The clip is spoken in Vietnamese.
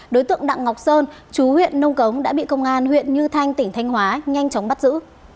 đối tượng đặng ngọc sơn chú huyện nông cống đã bị công an huyện như thanh tỉnh thanh hóa nhanh chóng bắt giữ